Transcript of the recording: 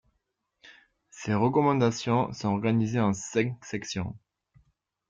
Ces recommandations sont organisées en cinq sections.